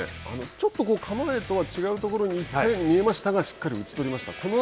ちょっと構えとは違うところに行ったように見えましたが、しっかり打ち取りました。